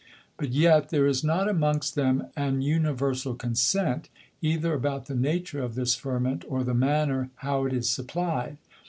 But yet there is not amongst them an universal Consent, either about the Nature of this Ferment, or the manner how it is supply'd.